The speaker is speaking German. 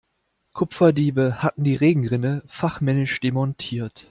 Kupferdiebe hatten die Regenrinne fachmännisch demontiert.